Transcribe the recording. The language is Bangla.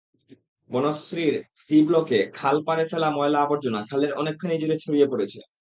বনশ্রীর সি-ব্লকে খাল পাড়ে ফেলা ময়লা-আবর্জনা খালের অনেকখানি জুড়ে ছড়িয়ে পড়েছে।